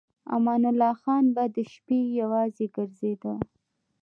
امان الله خان به د شپې یوازې ګرځېده.